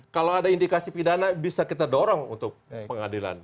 kalau ada indikasi pidana bisa kita dorong untuk pengadilan